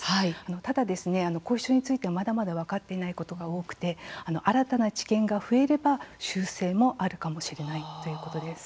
ただ後遺症については、まだまだ分かっていないことが多くて新たな知見が増えれば修正もあるかもしれないということです。